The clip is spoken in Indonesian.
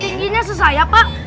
tingginya sesaya pak